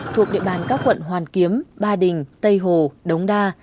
thuộc địa bàn các quận hoàn kiếm ba đình tây hồ đống đa